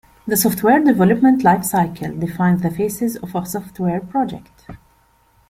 The software development life cycle defines the phases of a software project.